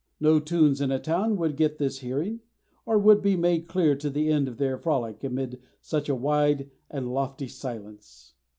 No tunes in a town would get this hearing, or would be made clear to the end of their frolic amid such a wide and lofty silence.